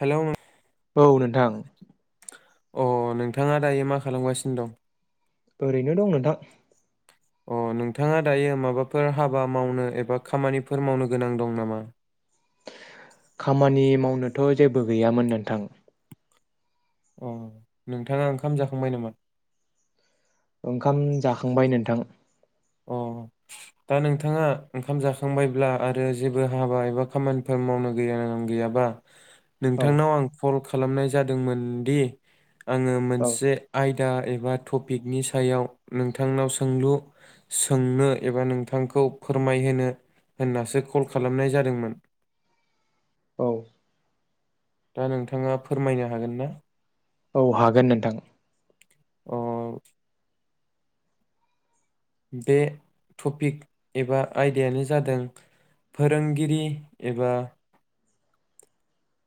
हेल' नों औ नोंथां। अ नोंथाङा दायो मा खालामगासिनो दं? ओरैनो दं नोंथां। अ नोंथाङा दायो माबाफोर हाबा मावनो एबा खामानिफोर मावनो गोनां दं नामा? खामानि मावनोथ' जेबो गैयामोन नोंथां। अ नोंथाङा ओंखाम जाखांबाय नामा? ओंखाम जाखांबाय नोंथां। अ दा नोंथाङा ओंखाम जाखांबायब्ला आरो जेबो हाबा एबा खामानिफोर मावनो गैया गैयाबा औ नोंथांनाव आं कल खालामनाय जादोंमोन दि आङो औ मोनसे आय दा एबा थपिकनि सायाव नोंथांनाव सोंलु सोंनो एबा नोंथांखौ फोरमायहोनो होननासो खल खालामनाय जादोंमोन। औ दा नोंथाङा फोरमायनो हागोन ना? औ हागोन नोंथां। अ बे थपिक एबा आयदायानो जादों फोरोंगिरि एबा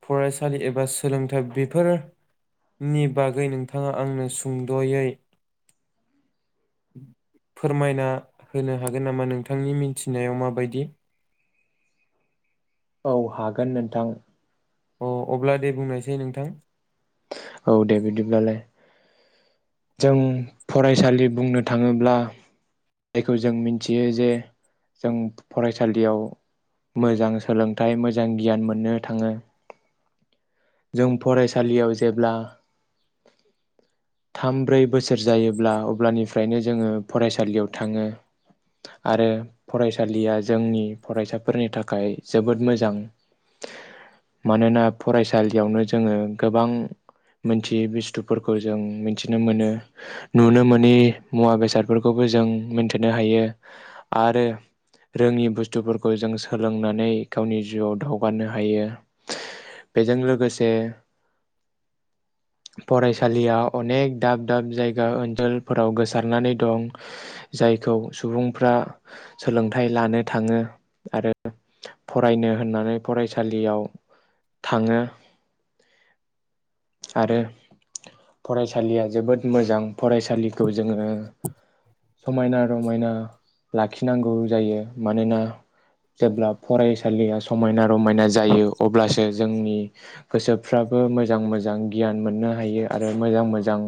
फरायसालि एबा सोलोंथाइ बेफोर नि बागै नोंथाङा आंनो सुंद'यै फोरमायना होनो हागोन नामा नोंथांनि मिथिनायाव माबायदि? औ हागोन नोंथां। अ अब्ला दे बुंनायसै नोंथां। औ दे बिदिब्लालाय जों फरायसालि बुंनो थाङोब्ला जायखौ जों मिथियो जे जों फरायसालियाव मोजां सोलोंथाइ मोज [unintelligible] गियान मोननो थाङो जों फरायसालियाव जेब्ला थाम ब्रै बोसोर जायोब्ला अब्लानिफ्रायनो जोङो फरायसालियाव थाङो आरो फरायसालिया जोंनि फरायसाफोरनि थाखाय जोबोद मोजां मानोना फरायसालियावनो जोङो गोबां मोनथियै बुस्थुफोरखौ जों मिथिनो मोनो नुनो मोनि मुवा बेसादफोरखौबो जों मोनथिनो हायो आरो रोङि बुस्थुफोरखौ जों सोलोंनानै गावनि जिउआव दावगानो हायो बेजों लोगोसे फरायसालिया अनेक दाब दाब जायगा ओनसोलफोराव गोसारनानै दं। जायखौ सुबुंफ्रा सोलोंथाइ लानो थाङो आरो फरायनो होननानै फरायसालियाव थाङो आरो फरायसालिया जोबोद मोजां फरायसालिखौ जोङो समायना रमायना ला खिनांगौ जायो मानोना जेब्ला फरायसालिया समायना रमायना जायो अब्लासो जोंनि गोसोफ्राबो मोजां मोजां गियान मोननो हायो आरो मोजां मोजां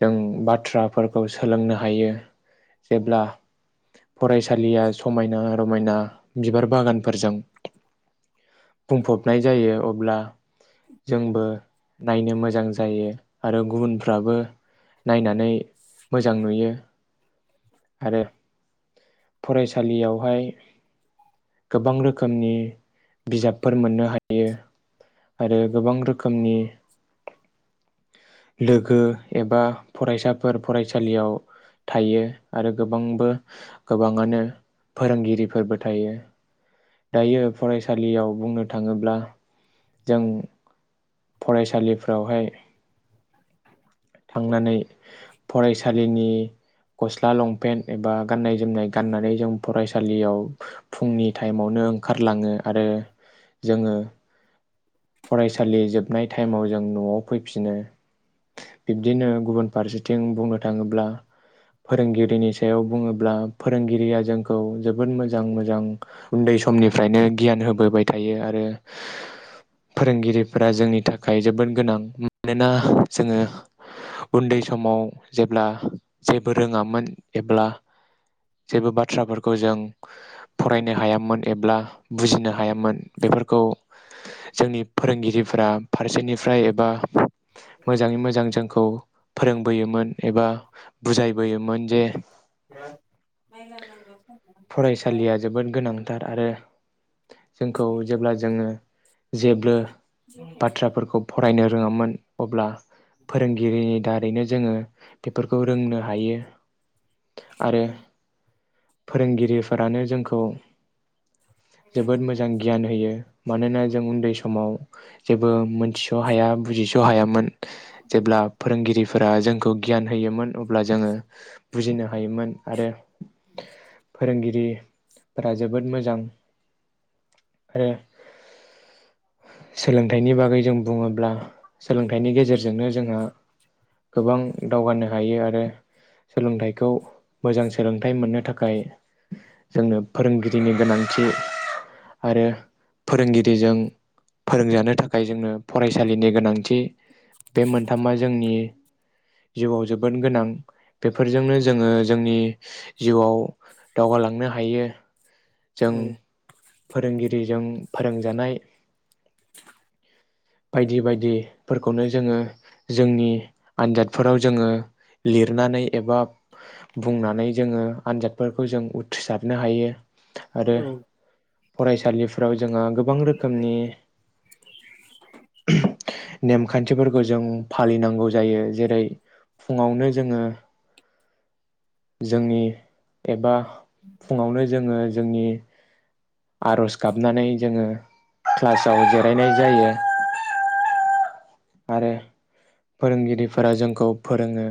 जों बाथ्राफोरखौ सोलोंनो हा यो जेब्ला फरायसालिया समायना रमायना बिबार बागानफोरजों बुंफबनाय जायो अब्ला जोंबो नायनो मोजां जायो आरो गुबुनफ्राबो नायनानै मोजां नुयो। आरो फरायसालियावहाय गोबां रोखोमनि बिजाबफोर मोननो हायो। आरो गोबां रोखोमनि [inaudible] लोगो एबा फरायसाफोर फरायसालियाव थायो आरो गोबांबो गोबाङानो फोरोंगिरिफोरबो थायो दायो फरायसालियाव बुंनो थाङोब्ला जों फरायसालिफ्रावहाय थांनानै फरायसालिनि गस्ला लंपेन्ट एबा गाननाय जोमनाय गाननानै जों फरायसालियाव फुंनि टाइमावनो ओंखारलाङो आरो जोङो फरायसालि जोबनाय टाइमाव जों न'आव फैफिनो। बिब्दिनो गुबुन फारसेथिं बुंनो थाङोब्ला फोरोंगिरिनि सायाव बुङोब्ला फोरोंगिरिया जोंखौ जोबोद मोजां मोजां उन्दै समनिफ्रायनो गियान होबोबाय थायो आरो फोरोंगिरिफोरा जोंनि थाखाय जोबोद गोनां मानोना जोङो उन्दै समाव जेब्ला जेबो रोङामोन एब्ला जेबो बाथ्राफोरखौ जों फरायनो हायामोन एब्ला बुजिनो हायामोन बेफोरखौ जोंनि फोरोंगिरिफोरा फारसेनिफ्राय एबा मोजाङै मोजां जोंखौ फोरोंबोयोमोन एबा बुजायबोयोमोन जे फरायसालिया जोबोद गोनांथार आरो जोंखौ जेब्ला जोङो जेब्लो बाथ्राफोरखौ फरायनो रोङामोन। अब्ला फोरोंगिरिनि दारैनो जोङो बेफोरखौ रोंनो हायो। आरो फोरोंगिरिफोरानो जोंखौ जोबोद मोजां गियान होयो। मानोना जों उन्दै समाव जेबो मोनथि स'हाया बुजिस' हायामोन जेब्ला फोरोंगिरि फोरा जोंखौ गियान होयोमोन अब्ला जोङो बुजिनो हायोमोन आरो [inaudible] गिरिफोरा जोबोद मोजां आरो सोलोंथाइनि बागै जों बुङोब्ला सोलोंथाइनि गेजेरजोंनो जोङो गोबां दावगानो हायो आरो सोलोंथाइखौ मोजां सोलोंथाइ मोननो थाखाय जोंनो फोरोंगिरिनि गोनांथि आरो फोरोंगिरिजों फोरोंजानो थाखाय जोंनो फरायसालिनि गोनांथि बे मोनथामा जोंनि जिउआव जोबोद गोनां बेफोरजोंनो जोङो जोंनि जिउआव दावगालांनो हायो। जों औ। फोरोंगिरिजों फोरोंजानाय बायदि बायदिफोरखौनो जोङो जोंनि आनजादफोराव जोङो लिरनानै एबा बुंनानै जोङो आनजादफोर खौ जों उथ्रिसारनो हायो। आरो फरायसालिफ्राव जोंहा गो बां रोखोमनि नेमखानथिफोरखौ जों फालिनांगौ जायो जेरै फुङावनो जोङो जोंनि एबा फुङावनो जोङो जोंनि आर'ज गाबनानै जोङो क्लासाव जिरायनाय जायो। आरो फोरोंगिरिफोरा जोंखौ फोरोङो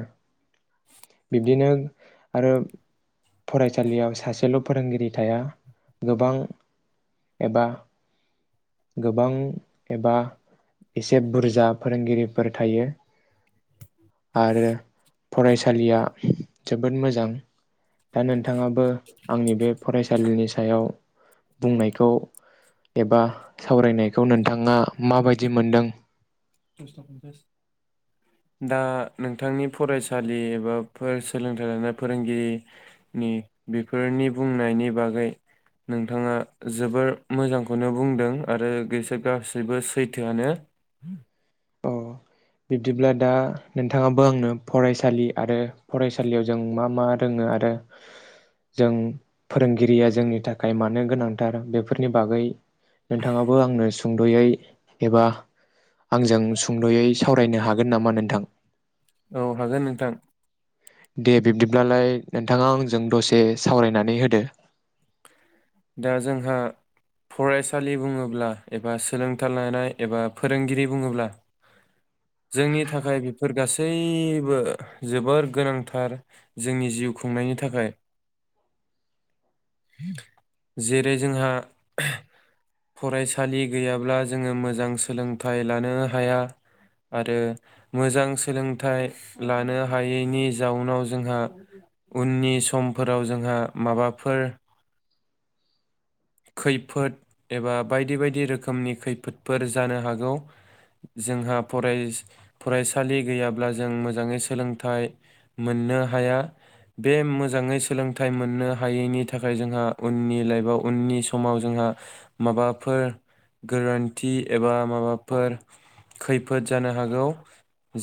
बिब्दिनो आरो फरायसालियाव सासेल' फोरोंगिरि थाया गोबां एबा गोबां एबा एसे बुरजा फोरोंगिरिफोर थायो आरो फरायसालिया जोबोद मोजां दा नोंथाङाबो आंनि बे फरायसालिनि सायाव बुंनायखौ एबा सावरायनायखौ नोंथाङा माबायदि मोनदों? दा नोंथांनि फरायसालि एबा फार्स सोलोंथाइ लानाय फोरोंगिरिनि बेफोरनि बुंनायनि बागै नोंथाङा जोबोर मोजांखौनो बुंदों आरो बेसोर गासैबो सैथोआनो। अ बिब्दिब्ला दा नोंथाङाबो आंनो फरायसालि आरो फरायसालियाव जों मा मा रोङो आरो जों फोरोंगिरिया जोंनि थाखाय मानो गोनांथार बेफोरनि बागै नोंथाङाबो आंनो सुंद'यै एबा आंजों सुंद'यै सावरायनो हागोन नामा नोंथां? औ हागोन नोंथां। दे बिब्दिब्लालाय नोंथाङा आंजों दसे सावरायनानै होदो। दा जोंहा फरायसालि बुङोब्ला एबा सोलोंथाइ लानाय एबा फोरोंगिरि बुङोब्ला जोंनि थाखाय बेफोर गासैबो जोबोर गोनांथार जोंनि जिउ खुंनायनि थाखाय। जेरै जोंहा फरायसालि गैयाब्ला जोङो मोजां सोलोंथाइ लानो हाया आरो मोजां सोलोंथाइ लानो हायैनि जाउनाव जोंहा उननि समफोराव जोंहा माबाफोर खैफोद एबा बायदि बायदि रोखोमनि खैफोदफोर जानो हागौ जोंहा फराय-फरायसालि गैयाब्ला जों मोजाङै सोलोंथाइ मोननो हाया बे मोजाङै सोलोंथाइ मोननो हायैनि थाखाय जोंहा उननि लाइफआव उननि समाव जोंहा माबाफोर गोरोनथि एबा माबाफोर खैफोद जानो हागौ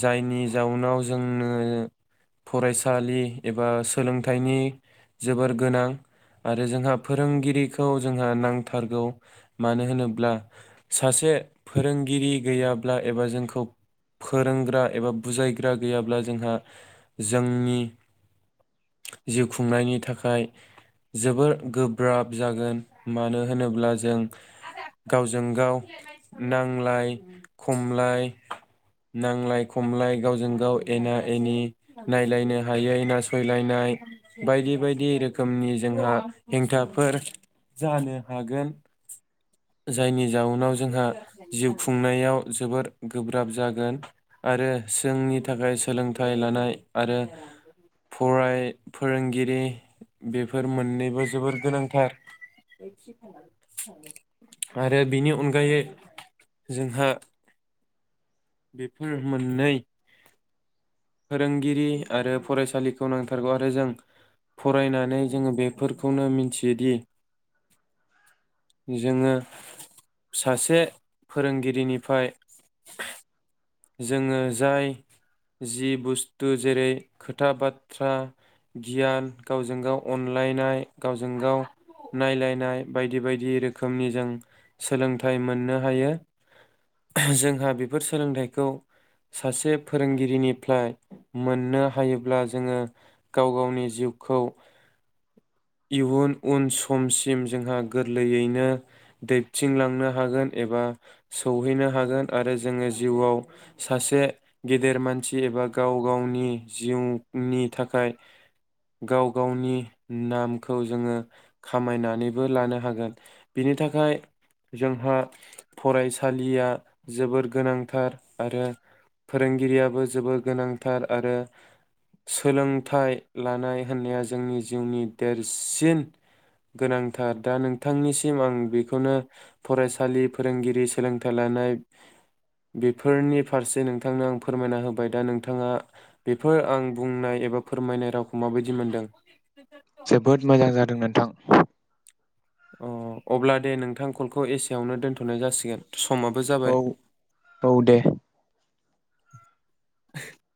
जायनि जाउनाव जोंनो फरायसालि एबा सोलोंथाइनि जोबोर गोनां आरो जोंहा फोरोंगिरिखौ जोंहा नांथारगौ मानो होनोब्ला सासे फोरोंगिरि गैयाब्ला एबा जोंखौ फोरोंग्रा एबा बुजायग्रा गैयाब्ला जोंहा जोंनि जिउ खुंनायनि थाखाय जोबोर गोब्राब जागोन। मानो होनोब्ला जों गावजों गाव नांलाय खमलाय नांलाय खमलाय गावजों गाव एना एनि नायलायनो हायै नासयलायनाय बायदि बायदि रोखोमनि जोंहा हेंथाफोर जानो हागोन जायनि जाउनाव जोंहा जिउ खुंनायाव जोबोर गोब्राब जागोन आरो जोंनि थाखाय सोलोंथाइ लानाय आरो फराय फोरोंगिरि बेफोर मोननैबो जोबोर गोनांथार। आरो बेनि अनगायै जोंहा बेफोर मोननै फोरोंगिरि आरो फरायसालिखौ नांथारगौ आरो जों फरायनानै जोङो बेफोरखौनो मिथियोदि जोङो सासे फोरोंगिरिनिफ्राय जोङो जाय जि बुस्थु जेरै खोथा बाथ्रा गियान गावजों गाव अनलायनाय गावजों गाव नायलायनाय बायदि बायदि रोखोमनि जों सोलोंथाइ मोननो हायो जोंहा बेफोर सोलोंथाइ खौ सासे फोरोंगिरिनिफ्राय मोननो हायोब्ला जोङो गाव गावनि जिउखौ इयुन उन समसिम जोंहा गोरलैयैनो दैबथिंलांनो हागोन एबा सौहैनो हागोन आरो जोङो जिउवाव सासे गेदेर मानसि एबा गाव गावनि जिउनि थाखाय गाव गावनि नामखौ जोङो खामायनानैबो लानो हागोन बिनि थाखाय जोंहा फरायसालिया जोबोर गोनांथार आरो फोरोंगिरियाबो जोबोर गोनांथार आरो सोलोंथाइ लानाय होननाया जोंनि जिउनि देरसिन गोनांथार दा नोंथांनिसिम आं बेखौनो फरायसालि फोरोंगिरि सोलोंथाइ लानाय बे फोरनि फारसे नोंथांनो आं फोरमायना होबाय दा नोंथाङा बेफोर आं बुंनाय एबा फोरमायनाय रावखौ माबायदि मोनदों? जोबोद मोजां जादों नोंथां। अ अब्ला दे नोंथां कलखौ एसेयावनो दोनथ'नाय जासिगोन। समाबो औ जाबाय औ दे। [inaudible]